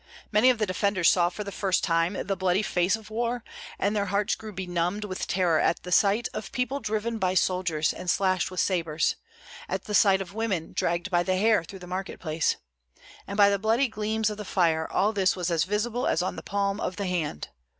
Many of the defenders saw for the first time the bloody face of war, and their hearts grew benumbed with terror at sight of people driven by soldiers and slashed with sabres, at sight of women dragged by the hair through the market place. And by the bloody gleams of the fire all this was as visible as on the palm of the hand.